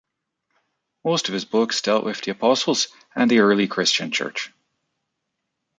Most of his books dealt with the Apostles and the early Christian church.